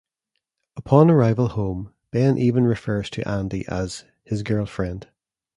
Upon arrival home Ben even refers to Andie as "his girlfriend".